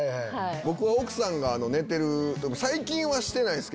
僕奥さんが寝てる時最近はしてないんすけど。